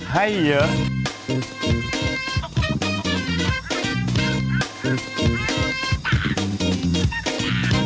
ให้เยอะ